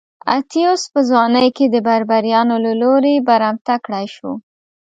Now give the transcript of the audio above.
اتیوس په ځوانۍ کې د بربریانو له لوري برمته کړای شو